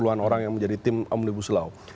delapan puluh an orang yang menjadi tim om libu slough